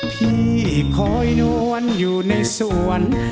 พี่คอยนวลอยู่ในสวน